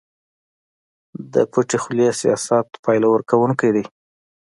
د پټې خولې سياست پايله ورکوونکی دی.